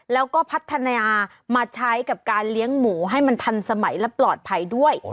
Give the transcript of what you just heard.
แล้วก็พัฒนามาใช้กับการเลี้ยงหมูให้มันทันสมัยและปลอดภัยด้วย